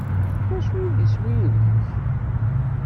D acu i d iswi-inek?